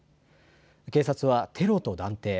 警察はテロと断定。